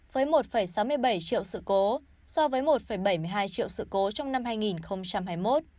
với một sáu mươi bảy triệu sự cố so với một bảy mươi hai triệu sự cố trong năm hai nghìn hai mươi một